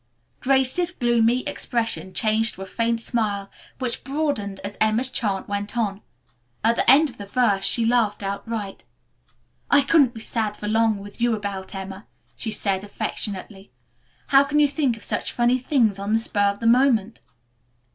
Grace's gloomy expression changed to a faint smile which broadened as Emma's chant went on. At the end of the verse she laughed outright. "I couldn't be sad for long with you about, Emma," she said affectionately. "How can you think of such funny things on the spur of the moment?"